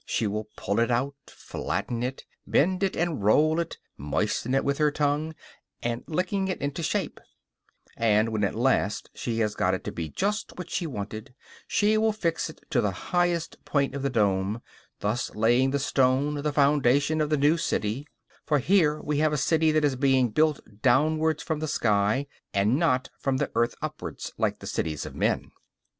She will pull it out, flatten it, bend it and roll it, moistening it with her tongue and licking it into shape; and, when at last she has got it to be just what she wanted, she will fix it to the highest point of the dome, thus laying the stone, the foundation, of the new city; for we have here a city that is being built downwards from the sky, and not from the earth upwards, like the cities of men.